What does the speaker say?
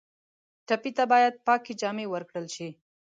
ټپي ته باید پاکې جامې ورکړل شي.